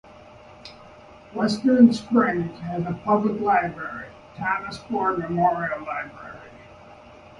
Western Springs has a public library, Thomas Ford Memorial Library.